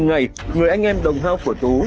cùng ngày người anh em đồng hao của tú